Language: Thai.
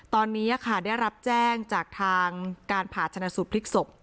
ตอนนี้ได้รับแจ้งจากทางการผ่าชนะสูตรพลิกศพ